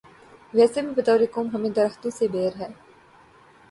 ویسے بھی بطور قوم ہمیں درختوں سے بیر ہے۔